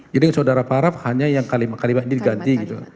jadi saudara paraf hanya yang kalimat kalimat ini diganti gitu